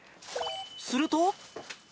すると。